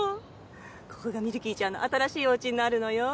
ここがミルキーちゃんの新しいお家になるのよ。